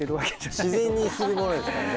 自然にするものだからね。